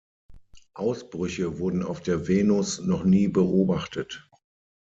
Ausbrüche wurden auf der Venus noch nie beobachtet.